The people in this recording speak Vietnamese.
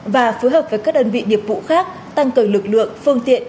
và phối hợp với các đơn vị nghiệp vụ khác tăng cường lực lượng phương tiện